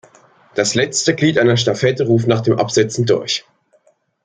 Das letzte „Glied“ einer Stafette ruft nach dem Absetzen „durch“.